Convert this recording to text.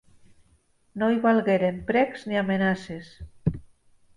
No hi valgueren precs ni amenaces.